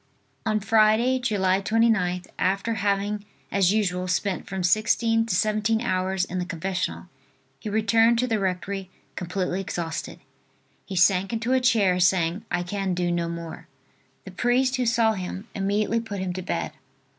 On Friday, July 29th, after having as usual spent from sixteen to seventeen hours in the confessional, he returned to the rectory completely exhausted. He sank into a chair saying: "I can do no more." The priest who saw him, immediately put him to bed.